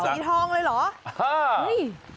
ไฟสีทองเลยหรอ